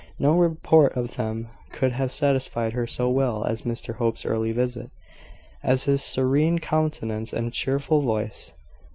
No report of them could have satisfied her so well as Mr Hope's early visit, as his serene countenance and cheerful voice.